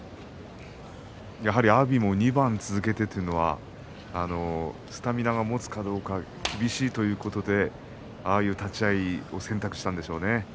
やっぱり阿炎も２番続けてというのはスタミナがもつかどうか厳しいということでああいう立ち合いを選択したんでしょうね。